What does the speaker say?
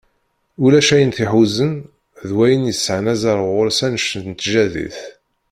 Ulac ayen t-iḥuzan d wayen yesεan azal γuṛ-s annect n tjaddit.